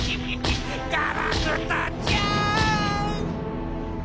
ガラクタちゃん！